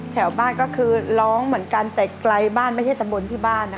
แถวบ้านก็คือร้องเหมือนกันแต่ไกลบ้านไม่ใช่ตำบลที่บ้านนะคะ